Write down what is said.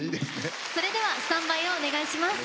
それではスタンバイをお願いします。